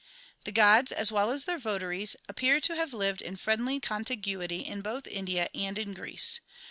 The gods as well as their votaries appear to have lived in friendly contiguity both in India and in Greece.